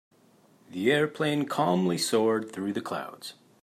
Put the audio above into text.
The airplane calmly soared through the clouds.